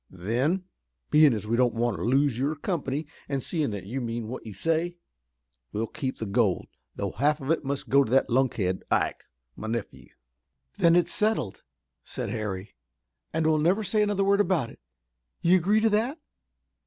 "Then, bein' as we don't want to lose your company, an' seein' that you mean what you say, we'll keep the gold, though half of it must go to that lunkhead, Ike, my nephew." "Then it's settled," said Harry, "and we'll never say another word about it. You agree to that?"